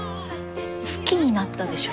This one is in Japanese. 好きになったでしょ？